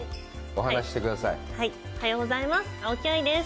おはようございます。